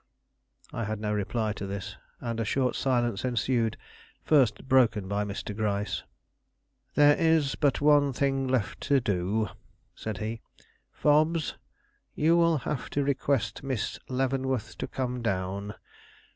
I had no reply for this, and a short silence ensued, first broken by Mr. Gryce. "There is but one thing left to do," said he. "Fobbs, you will have to request Miss Leavenworth to come down.